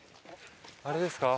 あれですか？